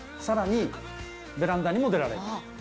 さらにベランダにも出られる。